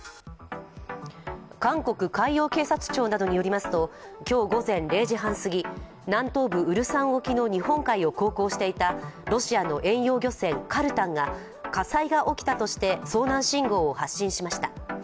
韓国海洋警察庁などによりますと今日午前０時半すぎ南東部ウルサン沖の日本海を航行していたロシアの遠洋漁船「カルタン」が火災が起きたとして遭難信号を発信しました。